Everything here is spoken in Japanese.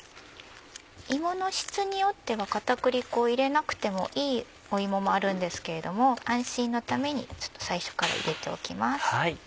芋の質によっては片栗粉を入れなくてもいい芋もあるんですけれども安心のために最初から入れておきます。